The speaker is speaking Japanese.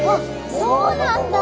そうなんだ！